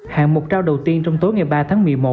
hạng mục trao đầu tiên trong tối ngày ba tháng một mươi một